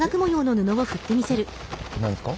何ですか？